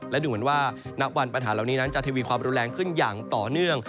และดูเหมือนว่าณวันปัญหาเหล่านี้นั้นจะทวีความรุนแรงขึ้นอย่างต่อเนื่อง